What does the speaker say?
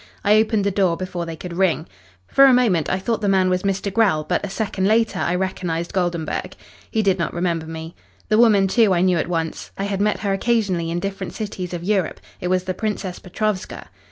I opened the door before they could ring. For the moment I thought the man was Mr. Grell, but a second later I recognised Goldenburg. He did not remember me. The woman, too, I knew at once. I had met her occasionally in different cities of Europe. It was the Princess Petrovska.